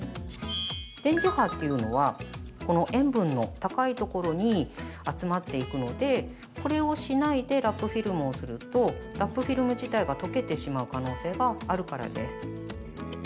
電磁波というのは塩分の高いところに集まっていくのでこれをしないでラップフィルムをするとラップフィルム自体が溶けてしまう可能性があるからです。